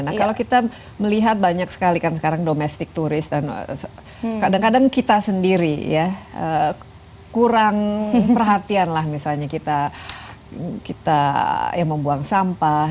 nah kalau kita melihat banyak sekali kan sekarang domestik turis dan kadang kadang kita sendiri ya kurang perhatian lah misalnya kita ya membuang sampah